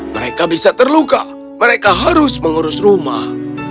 mereka bisa terluka mereka harus mengurus rumah